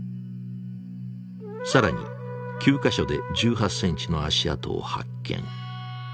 更に９か所で１８センチの足跡を発見。